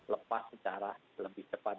lepas secara lebih cepat